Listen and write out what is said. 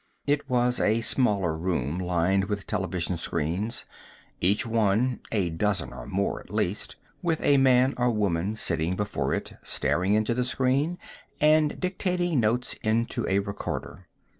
It was a smaller room, lined with television screens, each one a dozen or more, at least with a man or woman sitting before it, staring into the screen and dictating notes into a recorder.